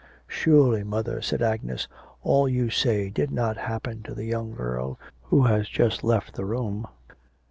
'Surely, mother,' said Agnes, 'all you say did not happen to the young girl who has just left the room?'